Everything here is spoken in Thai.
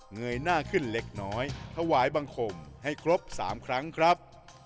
เยยหน้าขึ้นเล็กน้อยถวายบังคมให้ครบ๓ครั้งครับ